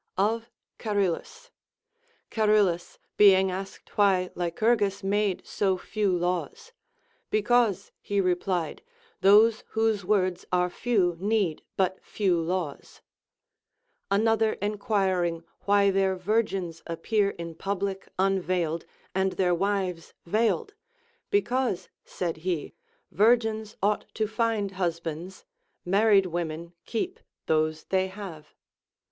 Of Charillus, Charillus being asked why Lycurgus made so few laws ; Because, he replied, those Λvhose words are few need but few laws. Another enquiring why their virgins appear in public unveiled, and their wives veiled ; Because, said he, virgins ought to find husbands, married women keep those they have.